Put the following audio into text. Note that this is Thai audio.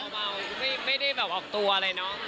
เมาไม่ได้แบบออกตัวอะไรเนอะ